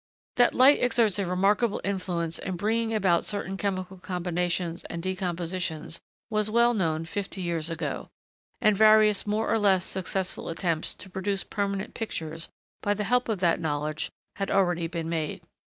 ] That light exerts a remarkable influence in bringing about certain chemical combinations and decompositions was well known fifty years ago, and various more or less successful attempts to produce permanent pictures, by the help of that knowledge, had already been made.